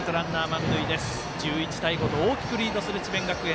１１対５と大きくリードする智弁学園。